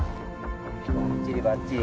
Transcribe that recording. ばっちりばっちり。